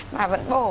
mà vẫn bổ